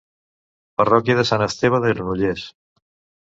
Parròquia de Sant Esteve de Granollers.